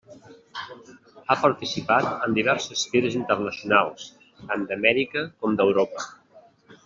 Ha participat en diverses fires internacionals, tant d'Amèrica com d'Europa.